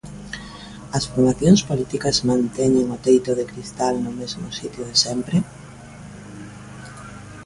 As formacións políticas manteñen o teito de cristal no mesmo sitio de sempre?